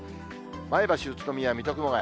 前橋、宇都宮、水戸、熊谷。